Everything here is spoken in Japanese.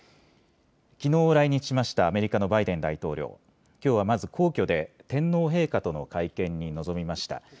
きのう来日しましたアメリカのバイデン大統領、きょうはまず皇居で天皇陛下との会見に臨みました。